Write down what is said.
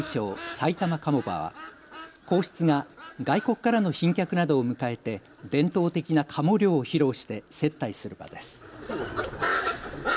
埼玉鴨場は皇室が外国からの賓客などを迎えて伝統的なかも猟を披露して接待する場です。